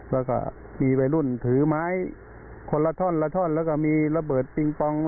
แล้วก็มีวัยรุ่นถือไม้คนละท่อนละท่อนแล้วก็มีระเบิดปิงปอง